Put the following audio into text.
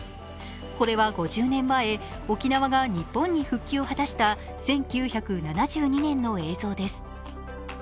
これは５０年前、沖縄が日本に復帰を果たした１９７２年の映像です。